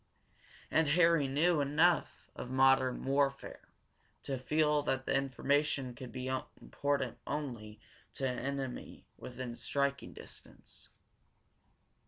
And Harry knew enough of modern warfare to feel that the information could be important only to an enemy within striking distance.